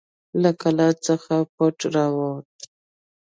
له قلا څخه پټ راووت.